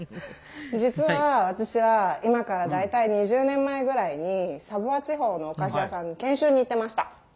実は私は今から大体２０年前ぐらいにサヴォワ地方のお菓子屋さんに研修に行ってました。